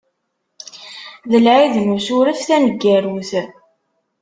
D Lɛid n Usuref taneggarut.